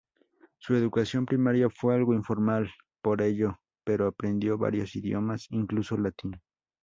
Su educación primaria fue algo informal por ello, pero aprendió varios idiomas, incluso latín.